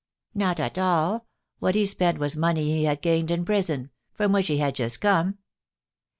"Not at all. What he spent was money he had gained in prison, from which he had just come."